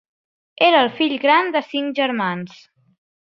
Era el fill gran de cinc germans.